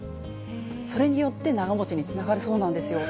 それによって長もちにつながるそうなんですよ。